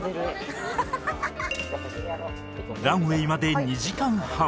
ランウェイまで２時間半